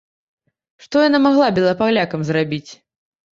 Што яна магла белапалякам зрабіць?